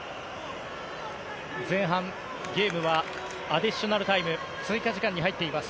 前半ゲームはアディショナルタイム追加時間に入っています。